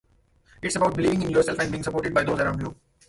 It's about believing in yourself and being supported by those around you.